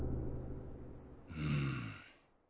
うん。